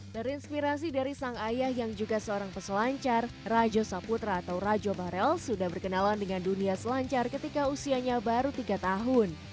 terinspirasi dari sang ayah yang juga seorang peselancar rajo saputra atau rajo barel sudah berkenalan dengan dunia selancar ketika usianya baru tiga tahun